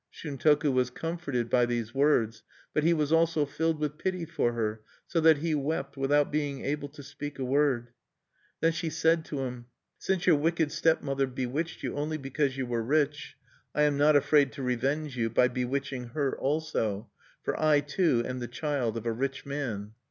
Shuntoku was comforted by these words; but he was also filled with pity for her, so that he wept, without being able to speak a word. Then she said to him: "Since your wicked stepmother bewitched you only because you were rich, I am not afraid to revenge you by bewitching her also; for I, too, am the child of a rich man."